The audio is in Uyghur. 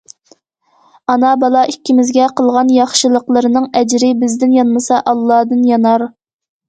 ئانا- بالا ئىككىمىزگە قىلغان ياخشىلىقلىرىنىڭ ئەجرى بىزدىن يانمىسا، ئاللادىن يانار!